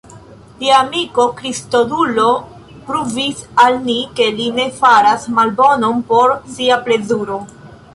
Lia amiko Kristodulo pruvis al ni, ke li ne faras malbonon por sia plezuro.